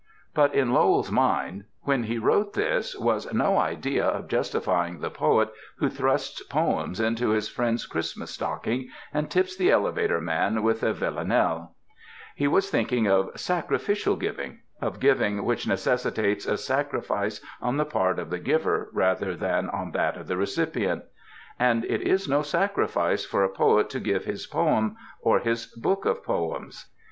But in Lowell's mind when he wrote this was no idea of justifying the poet who thrusts poems into his friends' Christmas stocking and tips the elevator man with a villanelle. He was ART OF CHRISTMAS GIVING thinking of sacrificial giving, of giving which neces sitates a sacrifice on the part of the giver rather than on that of the recipient. And it is no sacrifice for a poet to give his poem or his book of poems.